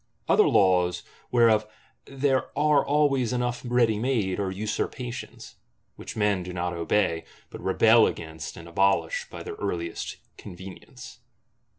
Other laws, whereof there are always enough ready made, are usurpations; which men do not obey, but rebel against, and abolish, by their earliest convenience.